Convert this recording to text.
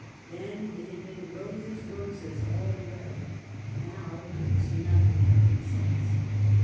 Then it had been " roses, roses all the way "; now it was nothing but insults.